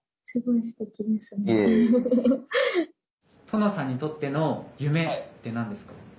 トノさんにとっての夢って何ですか？